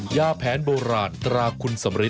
ยาแผนโบราณตราคุณสำริท